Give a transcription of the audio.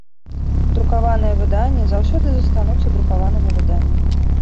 Друкаваныя выданні заўсёды застануцца друкаванымі выданнямі.